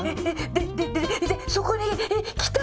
でででそこに来た？